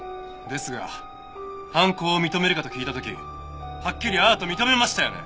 ですが犯行を認めるかと聞いた時はっきり「ああ」と認めましたよね？